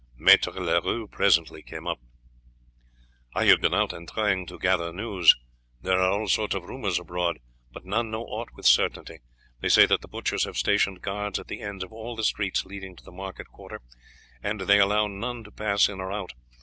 Maître Leroux presently came up. "I have been out and trying to gather news. There are all sorts of rumours abroad, but none know aught with certainty. They say that the butchers have stationed guards at the end of all the streets leading to the market quarter, and they allow none to pass in or out.